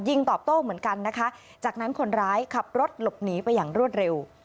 ตอบโต้เหมือนกันนะคะจากนั้นคนร้ายขับรถหลบหนีไปอย่างรวดเร็ว